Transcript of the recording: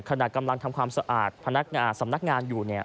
ขณะกำลังทำความสะอาดสำนักงานอยู่เนี่ย